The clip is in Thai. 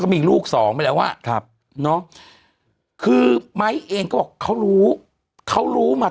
มีลูกสองไปแล้วอ่ะครับเนาะคือไม้เองก็บอกเขารู้เขารู้มา